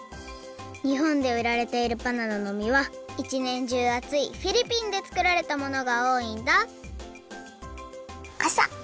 にほんでうられているバナナの実はいちねんじゅうあついフィリピンで作られたものがおおいんだかさ！